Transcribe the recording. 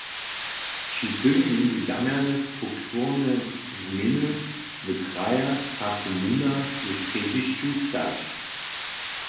Při tym měli zaměrne strukturne změny w krajach a komunach w srjedźišću stać.